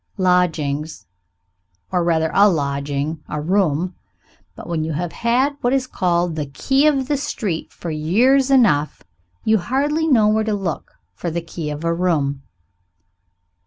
Lodgings. Or rather a lodging. A room. But when you have had what is called the key of the street for years enough, you hardly know where to look for the key of a room.